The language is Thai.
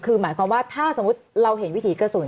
คำนี้อาการลิโกเชนะครับ